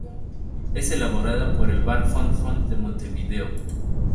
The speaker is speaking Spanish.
Es elaborada por el Bar Fun Fun de Montevideo.